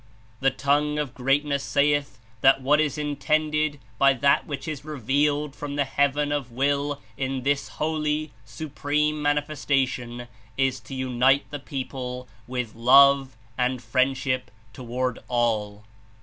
The Tongue of Greatness salth that what Is Intended by that which Is revealed from the heaven of Will In this Holy, Supreme Mani festation, Is to unite the people with love and friend ship toward all.